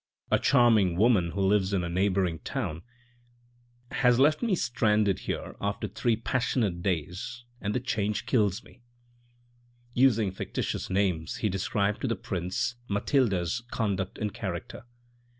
A charming woman who lives in a neighbouring town has left me stranded here after three passionate days, and the change kills me," Using fictitious names, he described to the prince Mathilde's conduct and character.